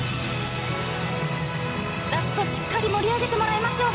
ラスト、しっかり盛り上げてもらいましょう。